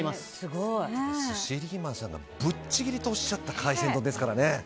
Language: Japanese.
寿司リーマンさんがぶっちぎりとおっしゃった海鮮丼ですからね。